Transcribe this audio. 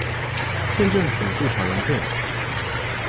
县政府驻塔荣镇。